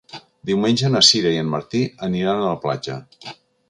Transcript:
Diumenge na Sira i en Martí aniran a la platja.